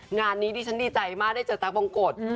งานนี้ดิฉันดีใจมากได้เจอตั๊กบงกฎ